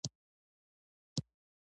دا پېشه ور ترکاڼ د دې علاقې مشهور خان